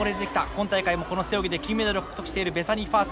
今大会もこの背泳ぎで金メダルを獲得しているべサニー・ファース